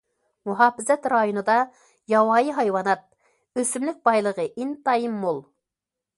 مۇھاپىزەت رايونىدا ياۋايى ھايۋانات، ئۆسۈملۈك بايلىقى ئىنتايىن مول.